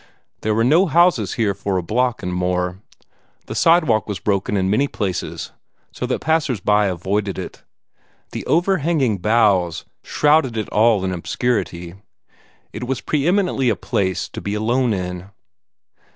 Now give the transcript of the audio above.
There were no houses here for a block and more; the sidewalk was broken in many places, so that passers by avoided it; the overhanging boughs shrouded it all in obscurity; it was preeminently a place to be alone in.